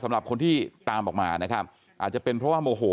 สำหรับคนที่ตามออกมานะครับอาจจะเป็นเพราะว่าโมโห